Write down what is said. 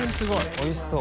おいしそう。